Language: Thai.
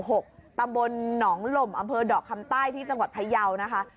ตำบลหนองหล่มอำเภอดอกคำใต้ที่จังหวัดพยาวนะคะ